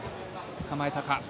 つかまえたか？